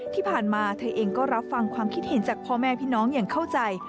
ที่ผ่านมาเธอเองก็รับฟังความคิดเห็นจากพ่อแม่พี่น้องอย่างเข้าใจ